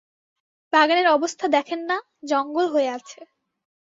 বাগানের অবস্থা দেখেন না, জঙ্গল হয়ে আছে।